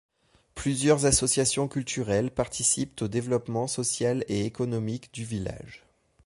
Plusieurs associations culturelles participent au développement social et économique du village.